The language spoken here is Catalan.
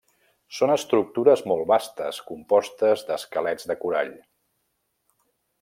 Són estructures molt vastes compostes d'esquelets de corall.